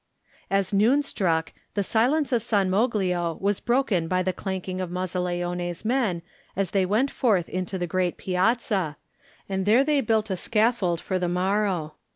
As noon struck, the silence of San Moglio was broken by the clanking of Mazzaleone's men as they went forth into the great piazza, and there they built a scaffold for the mor row.